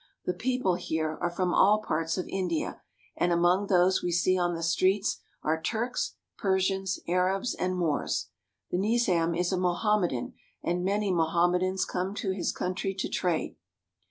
The people here are from all parts of India, and among those we see on the streets are Turks, Persians, Arabs, and Moors. The Nizam is a Mohammedan, and many Moham medans come to his country to trade.